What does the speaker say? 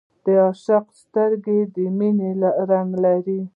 د عاشق سترګې د مینې رنګ لري